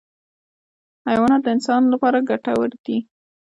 حیوانات د انسان لپاره ګټور دي.